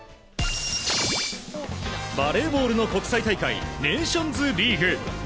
バレーボールの国際大会ネーションズリーグ。